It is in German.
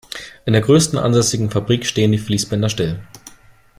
In der größten ansässigen Fabrik stehen die Fließbänder still.